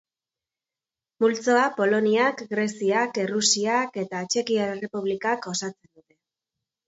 Multzoa Poloniak, Greziak, Errusiak eta Txekiar Errepublikak osatzen dute.